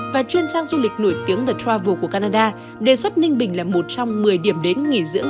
và chuyên trang du lịch nổi tiếng the travel của canada đề xuất ninh bình là một trong một mươi điểm đến nghỉ dưỡng